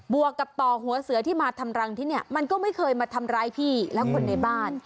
วกกับต่อหัวเสือที่มาทำรังที่เนี่ยมันก็ไม่เคยมาทำร้ายพี่และคนในบ้าน